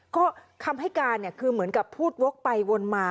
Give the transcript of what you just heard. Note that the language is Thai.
ก็คำให้การคือเหมือนกับพูดวกไปวนมา